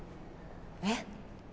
えっ？